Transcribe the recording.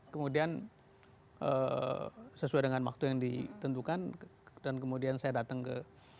kemudian sesuai dengan waktu yang ditentukan dan kemudian saya datang ke